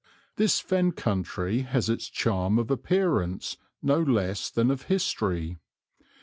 This Fen Country has its charm of appearance no less than of history.